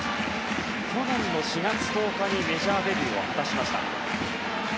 去年の４月１０日にメジャーデビューを果たしました。